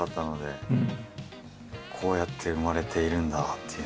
こうやって生まれているんだっていうのは。